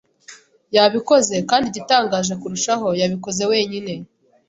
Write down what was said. Yabikoze, kandi igitangaje kurushaho, yabikoze wenyine.